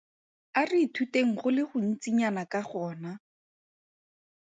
A re ithuteng go le gontsinyana ka gona.